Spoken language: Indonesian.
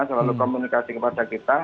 selalu komunikasi kepada kita